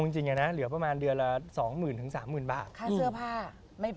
ค่าเสื้อผ้าไม่พอ